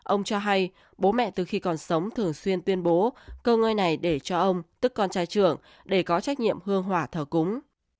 ông cho hay bố mẹ từ khi còn sống thường xuyên tuyên bố cơ ngơi này để cho ông tức con trai trưởng để có trách nhiệm hương hòa thờ cúng